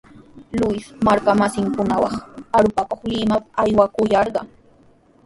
Luis marka masinkunawan arupakuq Limapa aywakuyarqan.